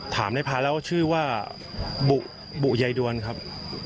ถามในพาระว่าชื่อว่าบุไยด้วนครับ